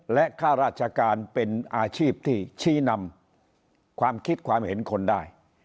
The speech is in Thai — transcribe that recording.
และค่าราชการเป็นอาชีพที่ชี้นำความคิดความเห็นคนได้